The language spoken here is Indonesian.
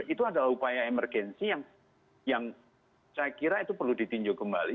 itu adalah upaya emergensi yang saya kira itu perlu ditinjau kembali